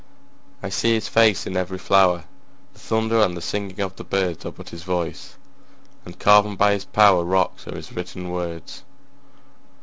I see his face in every flower; The thunder and the singing of the birdsAre but his voice—and carven by his powerRocks are his written words.